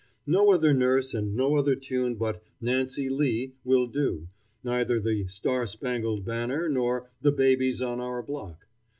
No other nurse and no other tune but "Nancy Lee" will do neither the "Star Spangled Banner" nor "The Babies on our Block."